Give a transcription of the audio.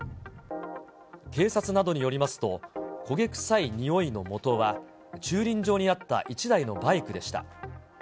警察などによりますと、焦げ臭いにおいのもとは、駐輪場にあった１台のバイクでした。